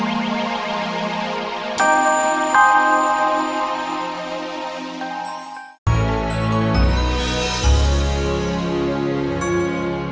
tidak ada apa apa